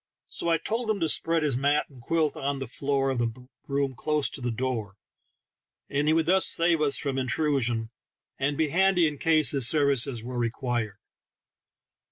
So I told him to spread his mat and quilt on the floor of the room close to the door, and he would thus save us from intrusion, and be handy in case his services were required.